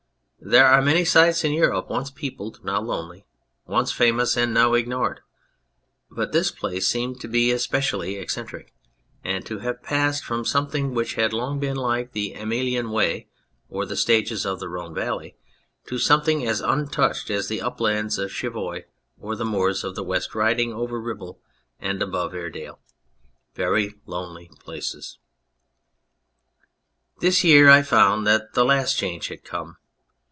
There are many sites in Europe once peopled now lonely, once famous and now ignored, but this place seemed to be especially eccentric, and to have passed from something which had long been like the /Kmilian Way or the stages of the Rhone Valley to something as untouched as the uplands of Cheviot or the moors of the West Riding over Ribble and above Airedale very lonely places. This year I found that the last change had come.